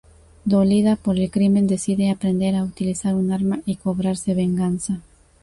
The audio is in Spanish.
Dolida por el crimen, decide aprender a utilizar un arma y cobrarse venganza.